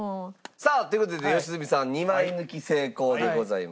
さあという事で良純さん２枚抜き成功でございます。